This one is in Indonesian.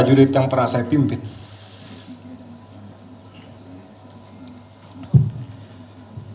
di jajaran tni yang saya cintai dan saya banggakan